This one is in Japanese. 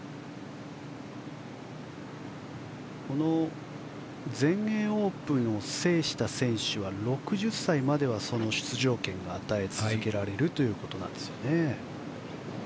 この全英オープンを制した選手は６０歳までは出場権が与え続けられるということなんですね。